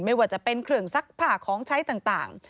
ไม่ว่าจะเป็นเครื่องซักผ้าของใช้ต่าง